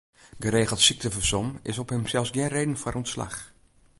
Geregeld syktefersom is op himsels gjin reden foar ûntslach.